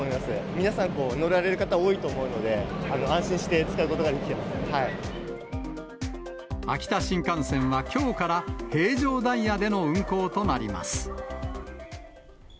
皆さん、乗られる方が多いと思うので、安心して使うことができて秋田新幹線はきょうから、平常ダイヤでの運行となります。